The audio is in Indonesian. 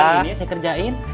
peralatan ini saya kerjain